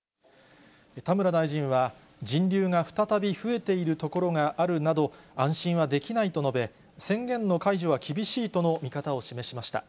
田村大臣は、人流が再び増えている所があるなど、安心はできないと述べ、宣言の解除は厳しいとの見方を示しました。